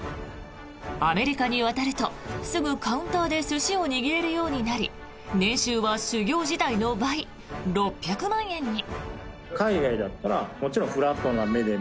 アメリカに渡るとすぐカウンターで寿司を握れるようになり年収は修業時代の倍６００万円に。